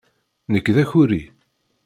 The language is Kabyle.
Nekk d akuri.